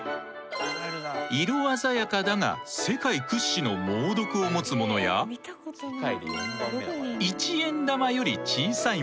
色鮮やかだが世界屈指の猛毒を持つものや一円玉より小さいもの。